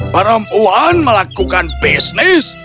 perempuan melakukan bisnis